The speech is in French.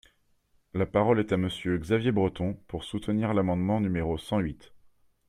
La parole est à Monsieur Xavier Breton, pour soutenir l’amendement numéro cent huit.